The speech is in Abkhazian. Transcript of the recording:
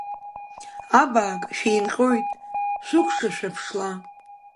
Абаак, шәеинҟьоит, шәыкәша шәаԥшла!